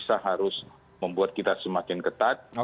karena itu kita harus membuat kita semakin ketat